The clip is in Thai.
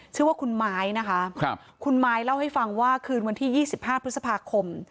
ชื่อว่าคุณไม้นะคะคุณไม้เล่าให้ฟังว่าคืนวันที่๒๕พฤษภาคม